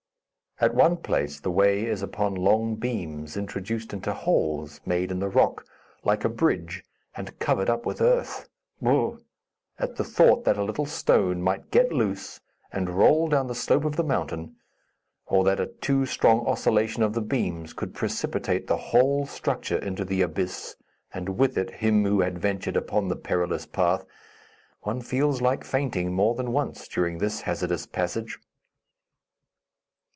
At one place, the way is upon long beams introduced into holes made in the rock, like a bridge, and covered up with earth. Brr! At the thought that a little stone might get loose and roll down the slope of the mountain, or that a too strong oscillation of the beams could precipitate the whole structure into the abyss, and with it him who had ventured upon the perilous path, one feels like fainting more than once during this hazardous passage.